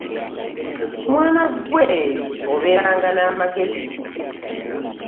Mwana gwe obeeranga n'amagezi.